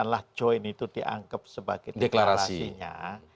katakanlah join itu dianggap sebagai deklarasinya